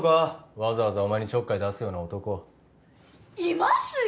わざわざお前にちょっかい出すような男いますよ！